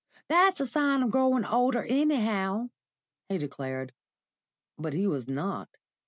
"That's a sign I'm growing older, anyhow," he declared. But he was not.